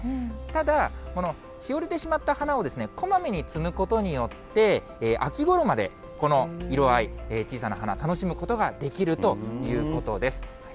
ただ、このしおれてしまった花をこまめに摘むことによって、秋ごろまでこの色合い、小さな花、楽しむことができるということです。